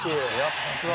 「さすが！」